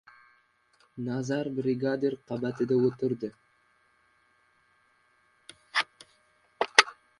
Nazar brigadir qabatida o‘tirdi.